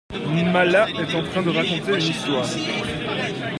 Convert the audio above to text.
Mala est en train de raconter une histoire ?